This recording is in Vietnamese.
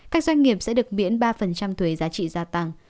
các doanh nghiệp sẽ được miễn ba thuế giá trị gia tăng